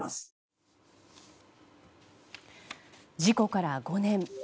事故から５年。